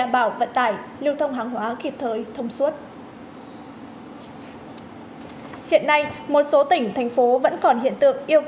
bằng kinh tế